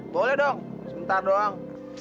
boleh dong sebentar doang